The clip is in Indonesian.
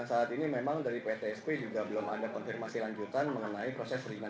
sebetulnya di sini kita tidak membatasi untuk siapapun beraktivitas